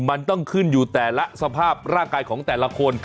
มันต้องขึ้นอยู่แต่ละสภาพร่างกายของแต่ละคน